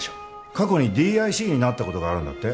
過去にＤＩＣになったことがあるんだって？